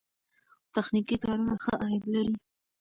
تخنیکي کارونه ښه عاید لري.